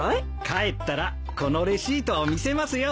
帰ったらこのレシートを見せますよ。